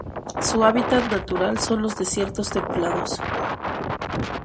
Su hábitat natural son los desiertos templados.